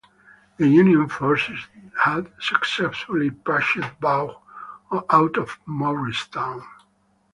The Union forces had successfully pushed Vaughn out of Morristown.